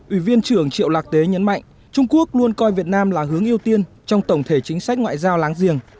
ủy viên trưởng triệu lạc tế nhấn mạnh trung quốc luôn coi việt nam là hướng ưu tiên trong tổng thể chính sách ngoại giao láng giềng